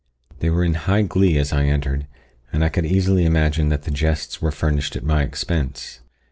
They were in high glee as I entered, and I could easily imagine that the jests were furnished at my expense.